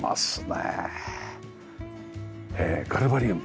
えガルバリウム？